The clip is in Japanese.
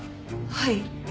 はい。